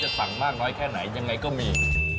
สั่งมากน้อยแค่ไหนยังไงก็มี